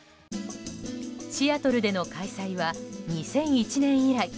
シアトルでの開催は２００１年以来。